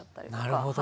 なるほど。